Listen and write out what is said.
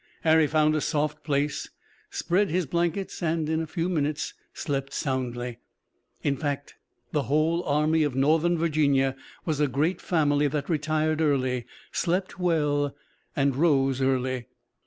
Harry found a soft place, spread his blankets and in a few minutes slept soundly. In fact, the whole Army of Northern Virginia was a great family that retired early, slept well and rose early.